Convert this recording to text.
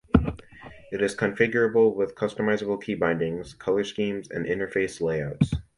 It is configurable with customizable key bindings, color schemes and interface layouts.